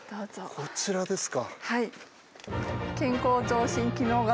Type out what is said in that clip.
こちらですか。